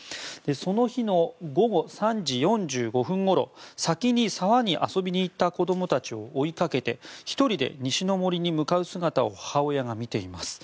その日の午後３時４５分ごろ先に沢に遊びに行った子どもたちを追いかけて１人で西の森に向かう姿を母親が見ています。